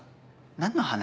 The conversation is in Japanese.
何の話？